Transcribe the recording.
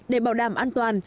để bảo đảm an toàn